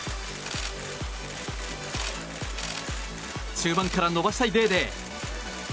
中盤から伸ばしたいデーデー。